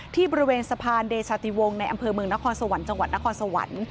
ที่บริเวณสะพานเดชาติวงศ์ในอำเภอเมืองนครสวรรค์จังหวัดนครสวรรค์